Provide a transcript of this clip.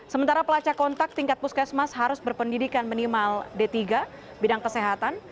sementara pelacak kontak tingkat puskesmas harus berpendidikan minimal d tiga bidang kesehatan